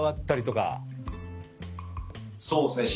そうですね。